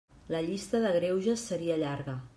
La llista de greuges seria llarga.